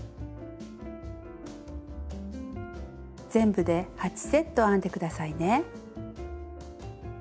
全部で８セット編んで下さいね。